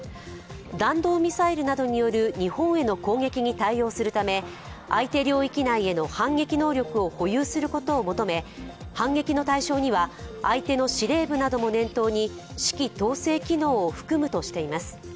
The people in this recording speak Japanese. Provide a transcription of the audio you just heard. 弾道ミサイルなどによる日本への攻撃に対応するため相手領域内への反撃能力を保有することを求め反撃の対象には相手の司令部なども念頭に指揮統制機能を含むとしています。